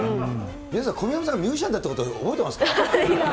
皆さん、小宮山さんがミュージシャンだっていうこと、覚えてますか？